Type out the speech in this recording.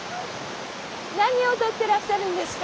何をとってらっしゃるんですか？